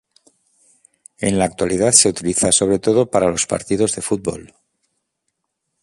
En la actualidad se utiliza sobre todo para los partidos de fútbol.